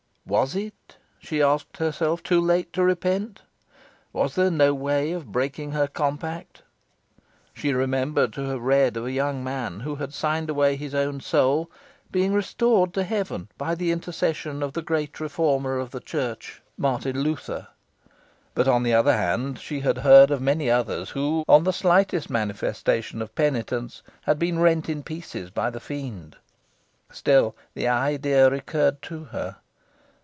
Was it, she asked herself, too late to repent? Was there no way of breaking her compact? She remembered to have read of a young man who had signed away his own soul, being restored to heaven by the intercession of the great reformer of the church, Martin Luther. But, on the other hand, she had heard of many others, who, on the slightest manifestation of penitence, had been rent in pieces by the Fiend. Still the idea recurred to her.